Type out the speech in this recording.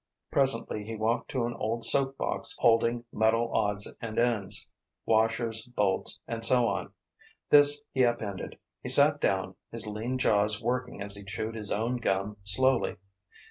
Presently he walked to an old soap box holding metal odds and ends, washers, bolts and so on. This he up ended. He sat down, his lean jaws working as he chewed his own gum slowly.